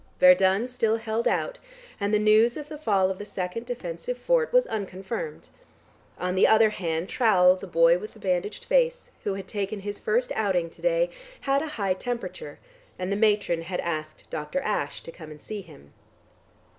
Verdun still held out, and the news of the fall of the second defensive fort was unconfirmed. On the other hand, Trowle, the boy with the bandaged face, who had taken his first outing to day, had a high temperature, and the matron had asked Dr. Ashe to come and see him.